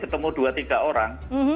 ketemu dua tiga orang